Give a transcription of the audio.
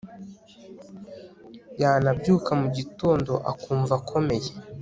yanabyuka mu gitondo akumva akomeye